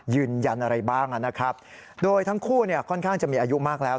ยืนยันอะไรบ้างนะครับโดยทั้งคู่เนี่ยค่อนข้างจะมีอายุมากแล้ว